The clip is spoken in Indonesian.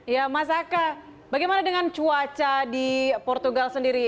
ya mas aka bagaimana dengan cuaca di portugal sendiri